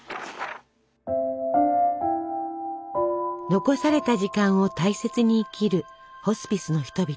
残された時間を大切に生きるホスピスの人々。